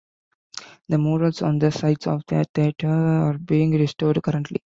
The murals on the sides of the theater are being restored currently.